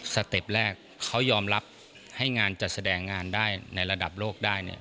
เต็ปแรกเขายอมรับให้งานจัดแสดงงานได้ในระดับโลกได้เนี่ย